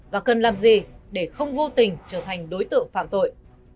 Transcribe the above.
và cần làm gì để không vô tình trở thành đối tượng phạm tội